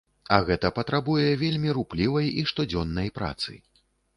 А гэта патрабуе вельмі руплівай і штодзённай працы.